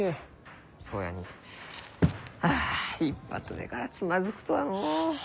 そうやにはあ一発目からつまずくとはのう。